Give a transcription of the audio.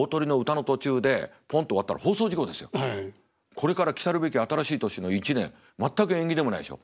これから来るべき新しい年の一年全く縁起でもないでしょ。